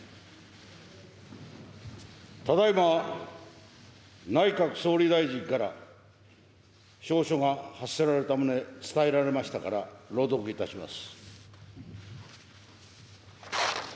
ただいま内閣総理大臣から詔書が発せられた旨、伝えられましたから、朗読いたします。